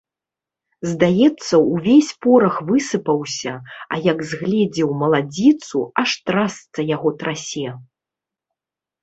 Здаецца, увесь порах высыпаўся, а як згледзеў маладзіцу, аж трасца яго трасе.